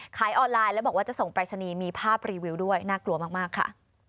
ขายออนไลน์แล้วบอกว่าจะส่งปรายศนีย์มีภาพรีวิวด้วยน่ากลัวมากค่ะ